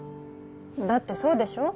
だってそうでしょ？